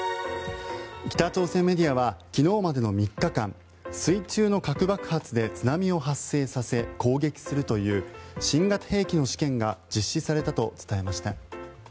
北朝鮮メディアは昨日までの３日間水中の核爆発で津波を発生させ攻撃するという新型兵器の試験が実施されたと伝えました。